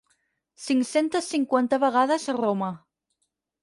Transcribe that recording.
Cinc-centes cinquanta vegades Roma.